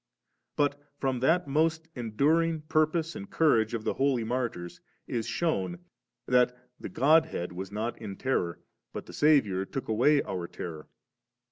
But from that most enduring purpose and courage of the Holy Martyrs is shewn, that the G<^ head was not in terror, but the Saviour took away our terror.